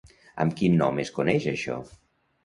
Amb quin nom es coneix això?